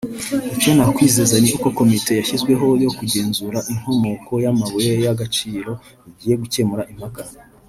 Icyo nakwizeza ni uko Komite yashyizweho yo kugenzura inkomoko y’amabuye y’agaciro igiye gukemura impaka”